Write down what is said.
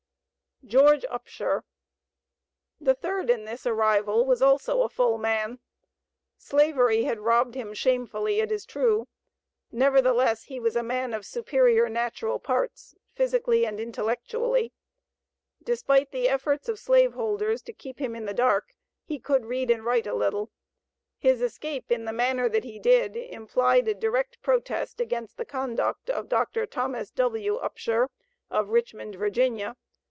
GEORGE UPSHER. The third in this arrival was also a full man. Slavery had robbed him shamefully it is true; nevertheless he was a man of superior natural parts, physically and intellectually. Despite the efforts of slave holders to keep him in the dark, he could read and write a little. His escape in the manner that he did, implied a direct protest against the conduct of Dr. Thomas W. Upsher, of Richmond, Va.